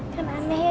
kan aneh ya